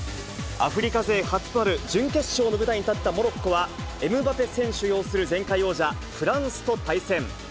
アフリカ勢初となる準決勝の舞台に立ったモロッコは、エムバペ選手擁する前回王者、フランスと対戦。